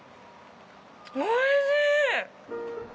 おいしい！